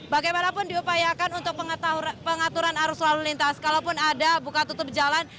bagaimanapun diupayakan untuk pengaturan arus lalu lintas kalaupun ada buka tutup jalan